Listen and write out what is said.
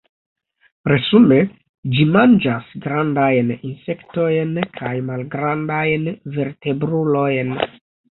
Resume ĝi manĝas grandajn insektojn kaj malgrandajn vertebrulojn.